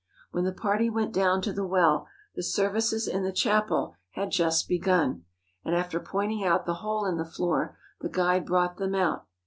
When the party went down to the well the services in the chapel had just begun, and after pointing out the hole in the floor, the guide brought them out.